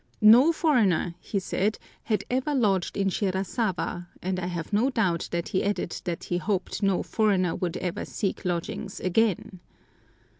No foreigner, he said, had ever lodged in Shirasawa, and I have no doubt that he added that he hoped no foreigner would ever seek lodgings again.